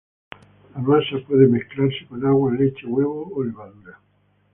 La masa puede mezclarse con agua, leche, huevo o levadura.